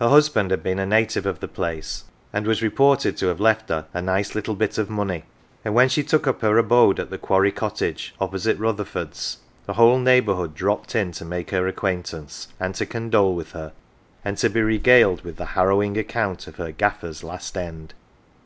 Her husband had been a native of the place, and was reported to have left her a nice little bit of money ; and when she took up her abode at the Quarry Cottage, opposite " Rutherford's, 1 " the whole neighbourhood dropped in to make her acquaintance, and to condole with her, and to be regaled with the harrowing account of her gaffer's last end.